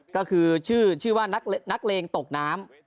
ก็คือชื่อว่านักเลงตกน้ำ